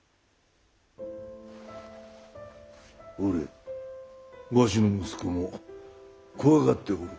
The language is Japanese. ほれわしの息子も怖がっておる。